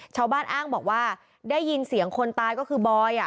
ชาวบ้านอ้างบอกว่าได้ยินเสียงคนตายก็คือบอย